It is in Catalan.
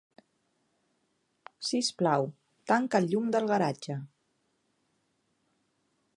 Sisplau, tanca el llum del garatge.